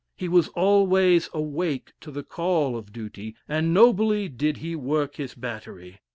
He was always awake to the call of duty, and nobly did he work his battery.